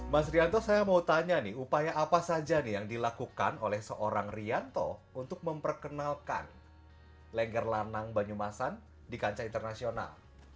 mas rianto saya mau tanya nih upaya apa saja nih yang dilakukan oleh seorang rianto untuk memperkenalkan lengger lanang banyumasan di kancah internasional